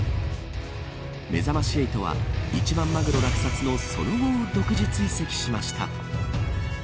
めざまし８は一番マグロ落札のその後を独自追跡しました。